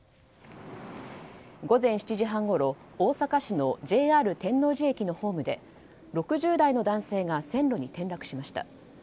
午前７時半ごろ大阪市のＪＲ天王寺駅のホームで６０代の男性が線路に転落しました。